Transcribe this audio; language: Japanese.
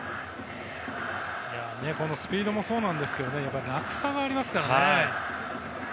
スピードもそうなんですけど落差がありますからね。